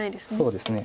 そうですね。